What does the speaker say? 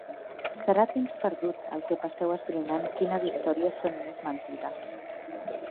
Serà temps perdut el que passeu esbrinant quines històries són més mentida.